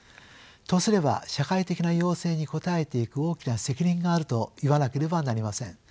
とすれば社会的な要請に応えていく大きな責任があるといわなければなりません。